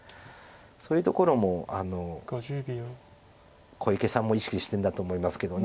そういうところも小池さんも意識してるんだと思いますけど。